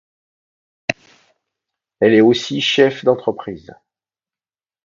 Elle est aussi chef d'entreprise.